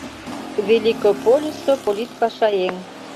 Великопольысо политпашаеҥ.